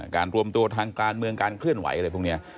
รวมตัวทางการเมืองการเคลื่อนไหวอะไรพวกนี้